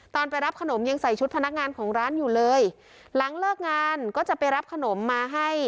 ตอนไปรับขนมยังใส่ชุดพนักงานของร้านอยู่เลยหลังเลิกงานก็จะไปรับขนมมาให้